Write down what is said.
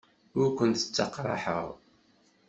Ur kent-ttaqraḥeɣ.